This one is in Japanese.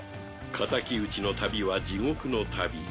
敵討ちの旅は地獄の旅